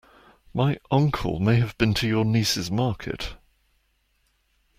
My uncle may have been to your niece's market.